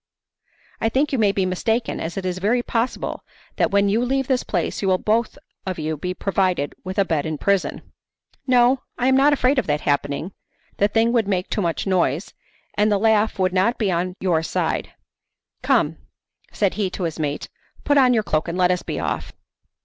"I think you may be mistaken, as it is very possible that when you leave this place you will both of you be provided with a bed in prison." "No, I am not afraid of that happening; the thing would make too much noise, and the laugh would not be on your side. Come," said he to his mate, "put on your cloak and let us be off."